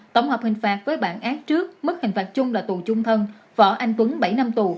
tổng hợp hình phạt với bản án trước mức hình phạt chung là tù chung thân võ anh tuấn bảy năm tù